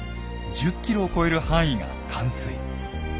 １０ｋｍを超える範囲が冠水。